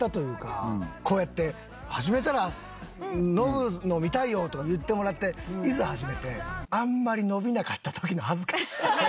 こうやって「始めたらノブの見たいよ」とか言ってもらっていざ始めてあんまり伸びなかった時の恥ずかしさ。